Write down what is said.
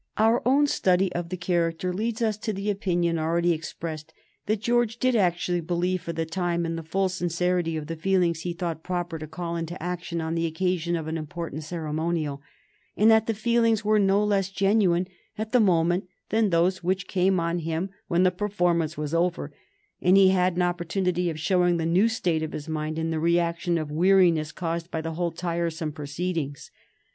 Our own study of the character leads us to the opinion already expressed, that George did actually believe for the time in the full sincerity of the feelings he thought proper to call into action on the occasion of an important ceremonial, and that the feelings were no less genuine at the moment than those which came on him when the performance was over, and he had an opportunity of showing the new state of his mind in the reaction of weariness caused by the whole tiresome proceedings.